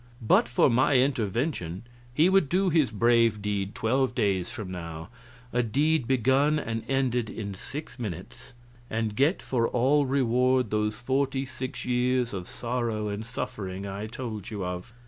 But for my intervention he would do his brave deed twelve days from now a deed begun and ended in six minutes and get for all reward those forty six years of sorrow and suffering I told you of.